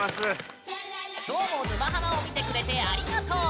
きょうも「沼ハマ」を見てくれてありがとう！